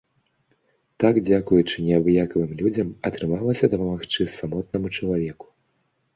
Так дзякуючы неабыякавым людзям атрымалася дапамагчы самотнаму чалавеку.